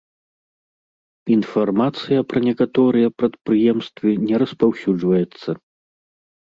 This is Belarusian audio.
Інфармацыя пра некаторыя прадпрыемствы не распаўсюджваецца.